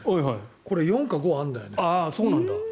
これ、４か５あるんだよね。